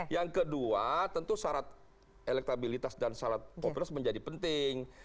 yang kedua tentu syarat elektabilitas dan syarat capres menjadi penting